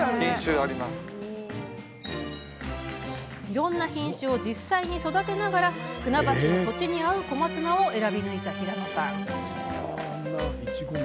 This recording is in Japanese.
いろんな品種を実際に育てながら船橋の土地に合う小松菜を選び抜いた平野さん。